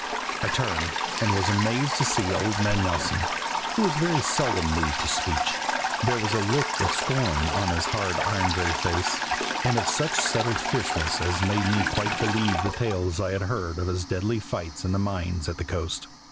I turned, and was amazed to see old man Nelson, who was very seldom moved to speech. There was a look of scorn on his hard iron gray face, and of such settled fierceness as made me quite believe the tales I had heard of his deadly fights in the mines at the coast.